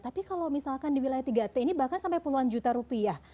tapi kalau misalkan di wilayah tiga t ini bahkan sampai puluhan juta rupiah